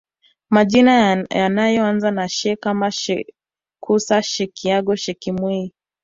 Majina yanayoanza na She kama Shekusa Shekiango Shekimwei